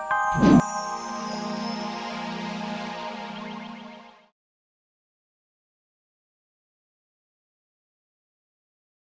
apakahisip hormonan pada madam badj